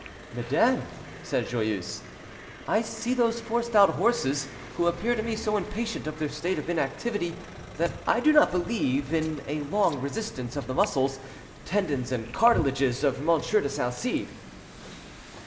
"Madame," said Joyeuse, "I see those four stout horses, who appear to me so impatient of their state of inactivity that I do not believe in a long resistance of the muscles, tendons, and cartilages of M. de Salcede."